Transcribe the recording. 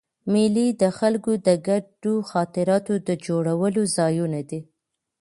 مېلې د خلکو د ګډو خاطرو د جوړولو ځایونه دي.